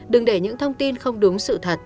đừng để những thông tin không đúng sự thật